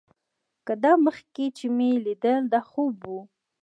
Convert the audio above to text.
که دا مخکې چې مې ليدل دا خوب و.